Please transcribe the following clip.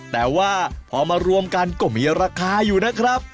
แต่ว่าพอมารวมกันก็มีราคาอยู่นะครับ